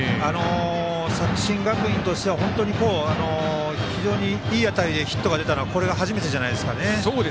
作新学院としては本当にいい当たりでヒットが出たのはこれが初めてじゃないですかね。